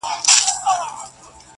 ته به د غم يو لوى بيابان سې گرانــــــي